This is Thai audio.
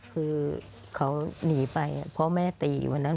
คือเขาหนีไปเพราะแม่ตีวันนั้น